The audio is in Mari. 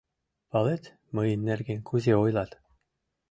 Палет, мыйын нерген кузе ойлат?